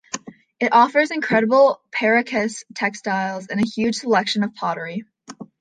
It offers incredible Paracas textiles and a huge selection of pottery.